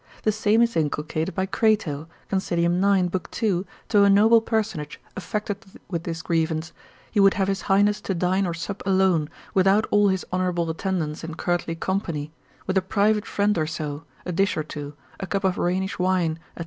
The same is inculcated by Crato, consil. 9. l. 2. to a noble personage affected with this grievance, he would have his highness to dine or sup alone, without all his honourable attendance and courtly company, with a private friend or so, a dish or two, a cup of Rhenish wine, &c.